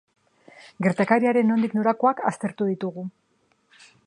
Gertakari haren nondik norakoak aztertu ditugu.